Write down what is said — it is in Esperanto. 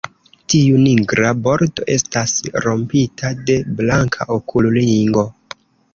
Tiu nigra bordo estas rompita de blanka okulringo.